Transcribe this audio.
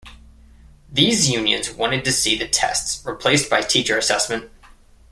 These unions wanted to see the tests replaced by teacher assessment.